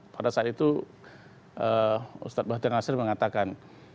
pada saat itu ustadz bahtiar nasir mengatakan